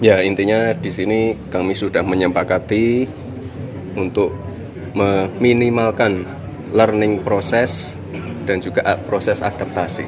ya intinya di sini kami sudah menyempakati untuk meminimalkan learning proses dan juga proses adaptasi